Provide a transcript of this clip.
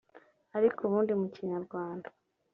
Ariko ubundi mu Kinyarwanda